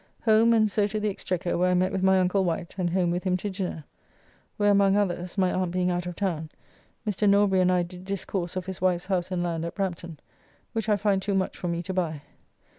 Home, and so to the Exchequer, where I met with my uncle Wight, and home with him to dinner, where among others (my aunt being out of town), Mr. Norbury and I did discourse of his wife's house and land at Brampton, which I find too much for me to buy.